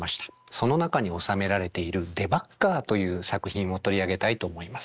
その中に収められている「デバッガー」という作品を取り上げたいと思います。